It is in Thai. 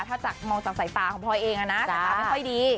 ถ้ามองจากสายตาของพลอยเองนะสายตาไม่ค่อยดี